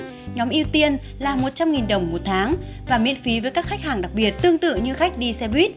nhóm ưu tiên là một trăm linh đồng một tháng và miễn phí với các khách hàng đặc biệt tương tự như khách đi xe buýt